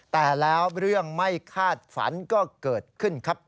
แต่แล้วเรื่องไม่คาดฝันก็เกิดขึ้นครับ